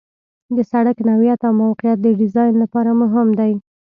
د سرک نوعیت او موقعیت د ډیزاین لپاره مهم دي